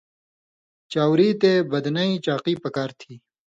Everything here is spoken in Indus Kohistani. چاؤری تے بدنَیں چاقی پکار نی تھی